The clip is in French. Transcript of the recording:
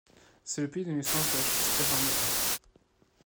C'est le pays de naissance de la chistera moderne.